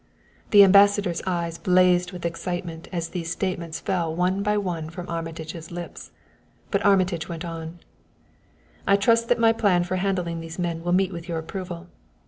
The Ambassador's eyes blazed with excitement as these statements fell one by one from Armitage's lips; but Armitage went on: "I trust that my plan for handling these men will meet with your approval.